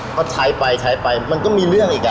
ก็ใช้ไปมันก็มีเรื่องอีกอ่ะ